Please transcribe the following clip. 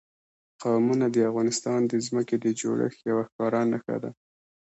قومونه د افغانستان د ځمکې د جوړښت یوه ښکاره نښه ده.